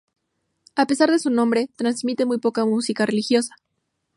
A pesar de su nombre, transmite muy poca música religiosa.